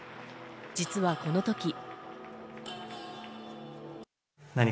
実はこの時。